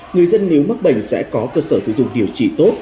người dân nếu mắc bệnh sẽ có cơ sở thu dung điều trị tốt